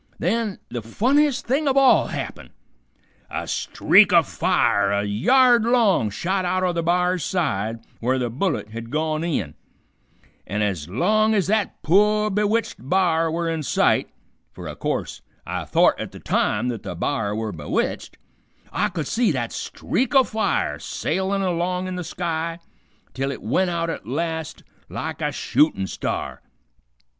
Then the funniest thing of all happened. A streak o' fire a yard long shot out o' the b'ar's side where the bullet had gone in, an' ez long ez that poor bewitched b'ar were in sight fer o' course I thort at the time th't the b'ar were bewitched I could see that streak o' fire sailin' along in the sky till it went out at last like a shootin' star.